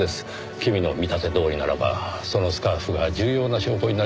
君の見立てどおりならばそのスカーフが重要な証拠になりますねぇ。